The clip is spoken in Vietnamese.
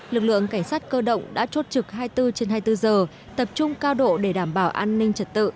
lực lượng cảnh sát cơ động đã chốt trực hai mươi bốn trên hai mươi bốn giờ tập trung cao độ để đảm bảo an ninh trật tự